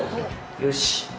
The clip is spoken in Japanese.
よし。